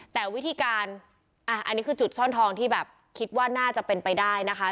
แต่วิธีการอันนี้คือจุดซ่อนทองที่แบบคิดว่าน่าจะเป็นไปได้นะคะ